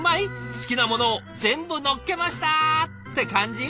「好きなものを全部のっけました！」って感じ？